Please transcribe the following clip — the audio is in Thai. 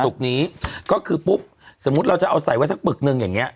นี้ก็คือปุ๊บสมมุติเราจะเอาใส่ไว้สักปึกหนึ่งอย่างเงี้